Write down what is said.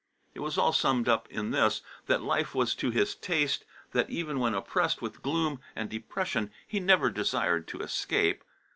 It was all summed up in this, that life was to his taste, that even when oppressed with gloom and depression, he never desired to escape.